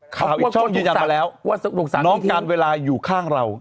อีกช่องยืนยันมาแล้วว่าน้องการเวลาอยู่ข้างเรา